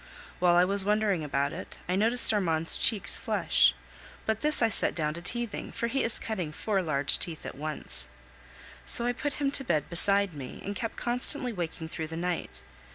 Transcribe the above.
While I was wondering about it, I noticed Armand's cheeks flush, but this I set down to teething, for he is cutting four large teeth at once. So I put him to bed beside me, and kept constantly waking through the night.